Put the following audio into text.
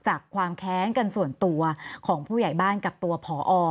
ความแค้นกันส่วนตัวของผู้ใหญ่บ้านกับตัวผอ